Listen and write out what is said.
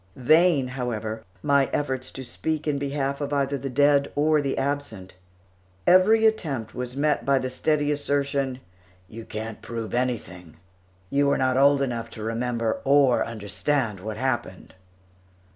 Vain, however, my efforts to speak in behalf of either the dead or the absent; every attempt was met by the ready assertion, "You can't prove anything; you were not old enough to remember or understand what happened."